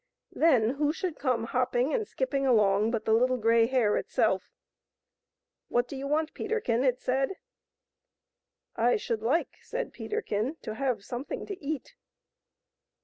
Then who should come hopping and skipping along but the Little Grey Hare itself. " What do you want, Peterkin ?" it said. " I should like," said Peterkin, " to have something to eat."